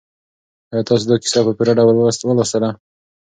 آیا تاسو دا کیسه په پوره ډول ولوستله؟